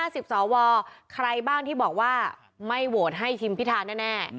สวใครบ้างที่บอกว่าไม่โหวตให้ทีมพิธาแน่